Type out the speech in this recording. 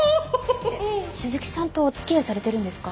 鈴木さんとおつきあいされてるんですか？